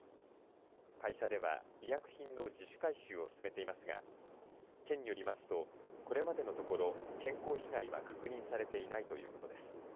会社では医薬品の自主回収を進めていますが県によりますとこれまでのところ健康被害は確認されていないということです。